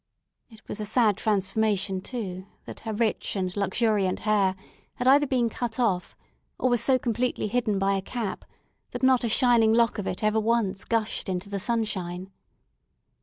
It was a sad transformation, too, that her rich and luxuriant hair had either been cut off, or was so completely hidden by a cap, that not a shining lock of it ever once gushed into the sunshine.